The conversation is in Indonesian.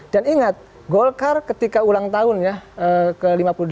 dan ingat golkar ketika ulang tahunnya ke lima puluh delapan